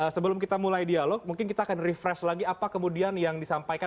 sebelum kita mulai dialog mungkin kita akan refresh lagi apa kemudian yang disampaikan